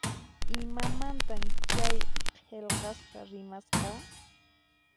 Imamantan chay qillqasqa rimasqa?